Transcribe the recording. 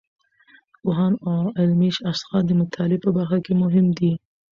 پوهان او علمي اشخاص د مطالعې په برخه کې مهم دي.